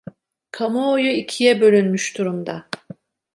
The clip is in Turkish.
Kamuoyu ikiye bölünmüş durumda.